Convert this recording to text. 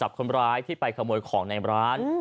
ให้ตามจับคนร้ายที่ไปขโมยของในร้าน